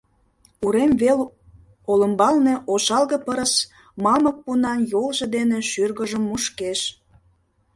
Урем вел олымбалне ошалге пырыс мамык пунан йолжо дене шӱргыжым «мушкеш».